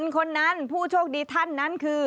คนนั้นผู้โชคดีท่านนั้นคือ